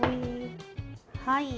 はい。